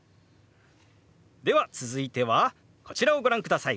では続いてはこちらをご覧ください。